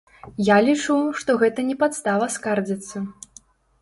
Я лічу, што гэта не падстава скардзіцца.